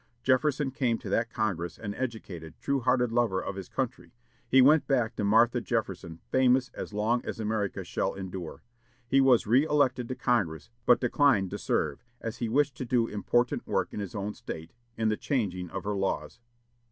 Jefferson came to that Congress an educated, true hearted lover of his country; he went back to Martha Jefferson famous as long as America shall endure. He was reëlected to Congress, but declined to serve, as he wished to do important work in his own State, in the changing of her laws.